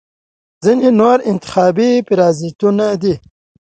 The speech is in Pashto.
ځینې نور انتخابي پرازیتونه دي.